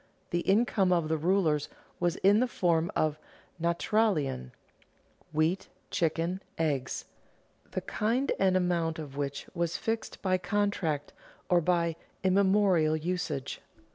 The income of the rulers was in the form of "Naturalien" (wheat, chickens, eggs), the kind and amount of which was fixed by contract or by immemorial usage.